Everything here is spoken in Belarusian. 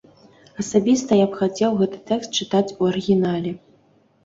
Асабіста я б хацеў гэты тэкст чытаць у арыгінале.